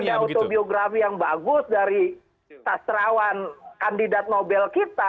ada autobiografi yang bagus dari sastrawan kandidat nobel kita